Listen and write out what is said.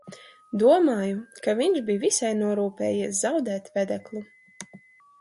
Domāju, ka viņš bij visai norūpējies zaudēt vedeklu.